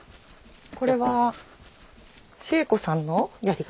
これは茂子さんのやり方？